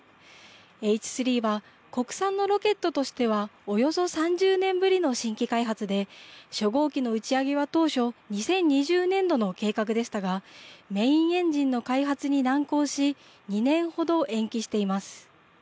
Ｈ３は国産のロケットとしてはおよそ３０年ぶりの新規開発で初号機の打ち上げは当初２０２０年度の計画でしたがメインエンジンの開発に難航し２年ほど延期しています。